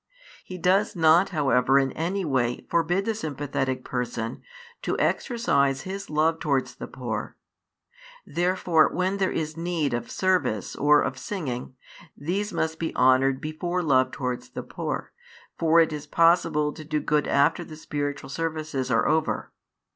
He does not however in any way forbid the sympathetic person to exercise his love towards the poor. Therefore when there is need of service or of singing, these must be honoured before love towards the poor; for it is possible to do good after the spiritual services are over.